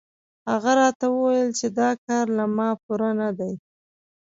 هغه راته وویل چې دا کار له ما پوره نه دی.